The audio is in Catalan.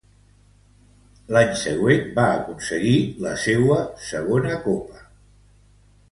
L'any següent, va aconseguir la seua segona Copa del Rei.